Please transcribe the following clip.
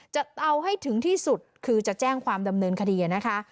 จะเอาให้ถึงที่สุดคือจะแจ้งความดำเนินคดีนะคะ